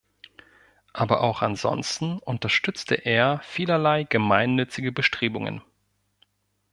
Aber auch ansonsten unterstützte er vielerlei gemeinnützige Bestrebungen.